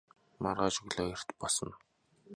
Korihor's argument was two-fold.